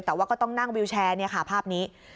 แต่ว่าก็ต้องนั่งวิวแชร์เนี่ยค่ะภาพนี้